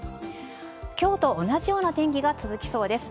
きょうと同じような天気が続きそうです。